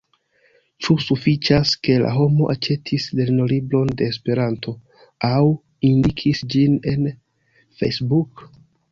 Ĉu sufiĉas, ke la homo aĉetis lernolibron de Esperanto, aŭ indikis ĝin en Facebook?